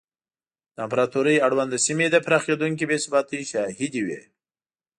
د امپراتورۍ اړونده سیمې د پراخېدونکې بې ثباتۍ شاهدې وې.